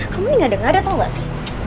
kamu ini gak ada ngada tau gak sih